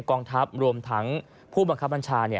กองทัพรวมทั้งผู้บังคับบัญชา